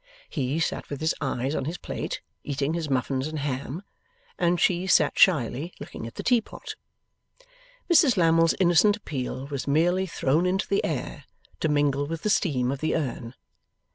He sat with his eyes on his plate, eating his muffins and ham, and she sat shyly looking at the teapot. Mrs Lammle's innocent appeal was merely thrown into the air, to mingle with the steam of the urn.